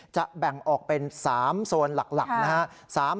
แบ่งออกเป็น๓โซนหลักนะครับ